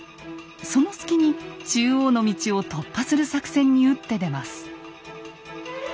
その隙に中央の道を突破する作戦に打って出ます。